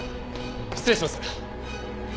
失礼します。